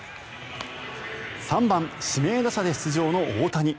３番指名打者で出場の大谷。